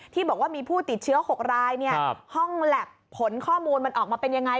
ที่บอกว่ามีผู้ติดเชื้อ๖รายห้องแล็บผลข้อมูลมันออกมาเป็นยังไง